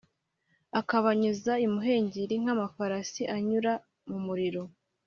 akabanyuza imuhengeri nkamafarashi anyura mumuriro